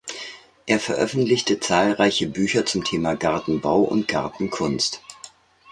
Er veröffentlichte zahlreiche Bücher zum Thema Gartenbau und Gartenkunst.